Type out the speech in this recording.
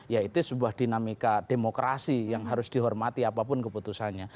ya itu sebuah dinamika demokrasi yang harus dihormati apapun keputusannya